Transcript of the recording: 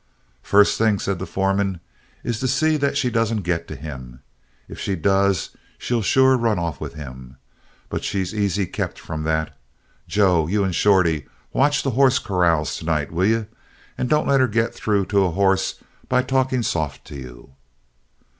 "First thing," said the foreman, "is to see that she don't get to him. If she does, she'll sure run off with him. But she's easy kept from that. Joe, you and Shorty watch the hoss corrals to night, will you? And don't let her get through to a hoss by talking soft to you."